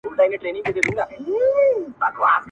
څوک د هدف مخته وي، څوک بيا د عادت مخته وي~